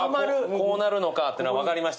こうなるのかってのは分かりましたからね。